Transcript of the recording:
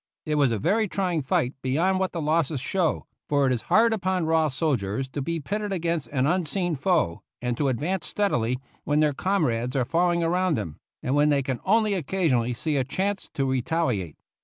It was a trying fight beyond what the losses show, for it is hard upon raw soldiers to be pitted against an unseen foe, and to ad vance steadily when their comrades are falling around them, and when they can only occasion ally see a chance to retaliate.